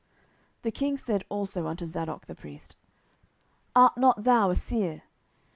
10:015:027 The king said also unto Zadok the priest, Art not thou a seer?